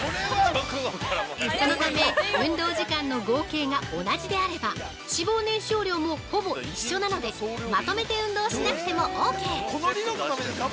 そのため、運動時間の合計が同じであれば、脂肪燃焼量もほぼ一緒なのでまとめて運動しなくてもオーケー。